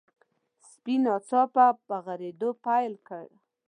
سپي ناڅاپه غريدو پيل کړ.